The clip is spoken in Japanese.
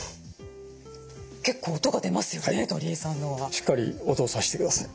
しっかり音をさしてください。